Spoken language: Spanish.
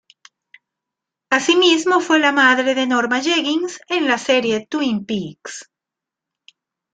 Asimismo, fue la madre de Norma Jennings en la serie Twin Peaks.